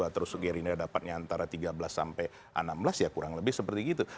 terus gerindra dapatnya antara tiga belas sampai enam belas ya kurang lebih seperti gitu